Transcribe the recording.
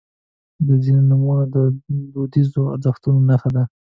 • ځینې نومونه د دودیزو ارزښتونو نښه ده.